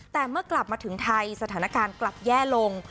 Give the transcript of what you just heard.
แต่เมื่อกลับมาถึงไทยสถานการณ์กลับแย่ลง